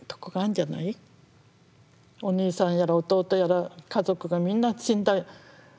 お兄さんやら弟やら家族がみんな死んだ。